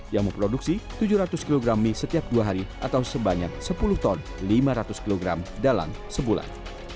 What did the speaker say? yang memproduksi tujuh ratus kg mie setiap dua hari atau sebanyak sepuluh ton lima ratus kg dalam sebulan